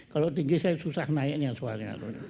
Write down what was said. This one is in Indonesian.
kalau tinggi saya susah naiknya soalnya